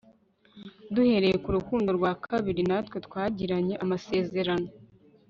duhereye ku rukundo rwa kabiri natwe twagiranye amasezerano